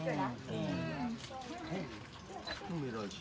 น้ำปลาบึกกับซ่าหมกปลาร่า